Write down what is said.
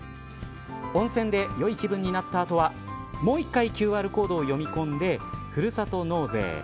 温泉でよい気分になった後はもう１回ＱＲコードを読み込んでふるさと納税。